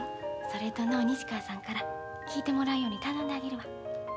それとのう西川さんから聞いてもらうように頼んであげるわ。